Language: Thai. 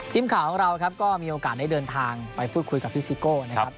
ทีมข่าวของเราครับก็มีโอกาสได้เดินทางไปพูดคุยกับพี่ซิโก้นะครับ